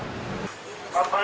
pembeli atau pos karya